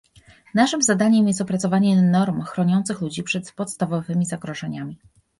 Naszym zadaniem jest opracowanie norm chroniących ludzi przed podstawowymi zagrożeniami